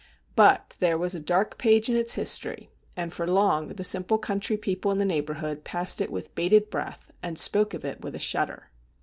But there was a dark page in its history, and for long the simple country people in the neighbourhood passed it with bated breath, and spoke of it with a shudder.